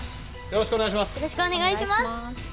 よろしくお願いします。